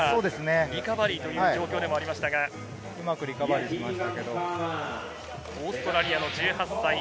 リカバリーという状況でもありましたが、オーストラリアの１８歳。